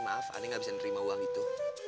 maaf ani tidak bisa menerima uang itu